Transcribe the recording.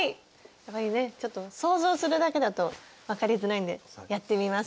やっぱりねちょっと想像するだけだと分かりづらいんでやってみます。